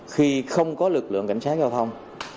khi không có lực lượng cảnh sát giao thông